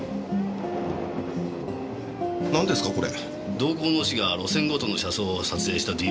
同好の士が路線ごとの車窓を撮影したＤＶＤです。